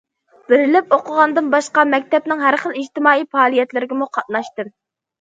بېرىلىپ ئوقۇغاندىن باشقا مەكتەپنىڭ ھەر خىل ئىجتىمائىي پائالىيەتلىرىگىمۇ قاتناشتىم.